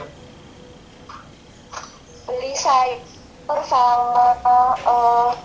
beli saiz per salur